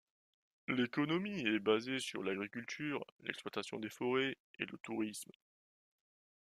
L'économie est basée sur l'agriculture, l'exploitation des forêts et le tourisme.